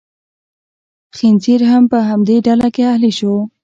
خنزیر هم په همدې ډله کې اهلي شو.